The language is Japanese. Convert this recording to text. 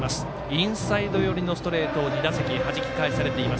インサイド寄りのストレートを２打席はじき返されています